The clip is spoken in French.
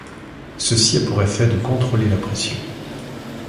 Ceci a pour effet de contrôler la pression.